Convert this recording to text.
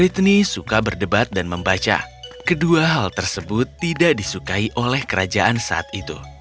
tidak disukai oleh kerajaan saat itu